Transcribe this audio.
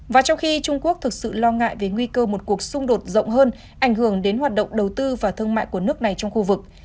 và trong khi trung quốc thực sự lo ngại về nguy cơ một cuộc xung đột rộng hơn ảnh hưởng đến hoạt động đầu tư và thương mại của nước này trong khu vực